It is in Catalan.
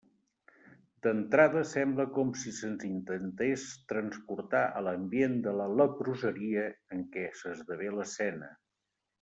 D'entrada sembla com si se'ns intentés transportar a l'ambient de la leproseria en què s'esdevé l'escena.